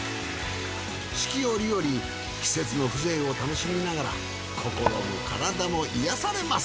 四季折々季節の風情を楽しみながら心も体も癒やされます。